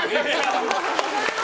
ありがとうございます。